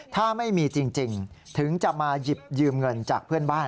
ถ้าไม่มีจริงถึงจะมาหยิบยืมเงินจากเพื่อนบ้าน